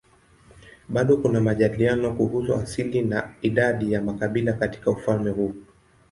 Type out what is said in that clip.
Bado kuna majadiliano kuhusu asili na idadi ya makabila katika ufalme huu.